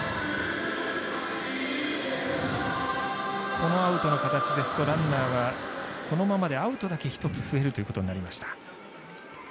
このアウトの形ですとランナーは、そのままでそのままでアウトだけ１つ増えるということになりました。